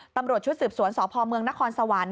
ตำรวจชุดสืบสวนสพเมืองนครสวรรค์